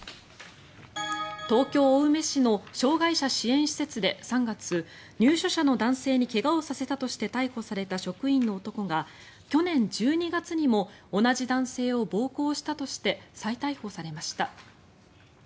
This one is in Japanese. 東京・青梅市の障害者支援施設で３月入所者の男性に怪我をさせたとして逮捕された職員の男が去年１２月にも同じ男性を暴行したとして再逮捕されました。